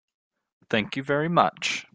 Thank you very much.